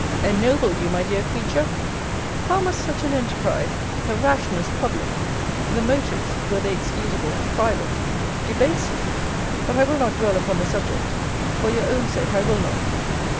Ennoble you, my dear creature! How must such an enterprise (the rashness public, the motives, were they excusable, private) debase you! but I will not dwell upon the subject for your own sake I will not.